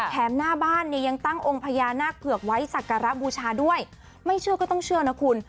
หน้าบ้านเนี่ยยังตั้งองค์พญานาคเผือกไว้สักการะบูชาด้วยไม่เชื่อก็ต้องเชื่อนะคุณ